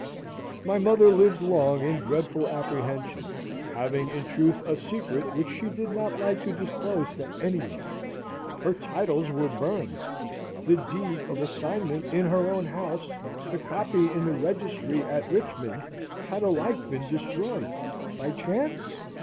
My mother lived long in dreadful apprehension, having in truth a secret, which she did not like to disclose to any one. Her titles were burned! the deed of assignment in her own house, the copy in the Registry at Richmond, had alike been destroyed by chance?